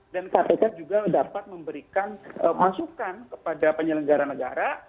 dan kpk juga dapat memberikan masukan kepada penyelenggara negara